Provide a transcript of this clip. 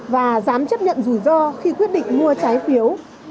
và dám chấp nhận rủi ro khi quyết định mua trái phiếu